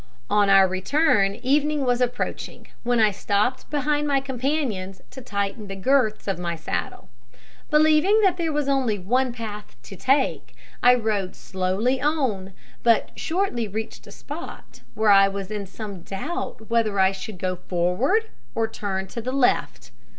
On our return evening was approaching, when I stopped behind my companions to tighten the girths of my saddle. Believing that there was only one path to take, I rode slowly on, but shortly reached a spot where I was in some doubt whether I should go forward or turn off to the left.